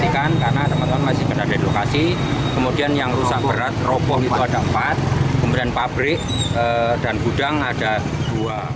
kemudian yang rusak berat ropoh itu ada empat kemudian pabrik dan gudang ada dua